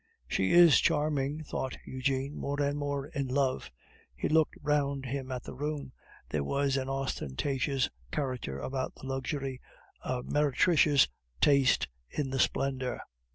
"She is charming," thought Eugene, more and more in love. He looked round him at the room; there was an ostentatious character about the luxury, a meretricious taste in the splendor.